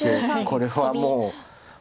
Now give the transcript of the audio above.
これはもう。